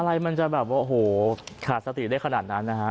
อะไรมันจะแบบโอ้โหขาดสติได้ขนาดนั้นนะฮะ